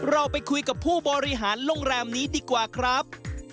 เราไปคุยกับผู้บริหารโรงแรมนี้ดีกว่าครับ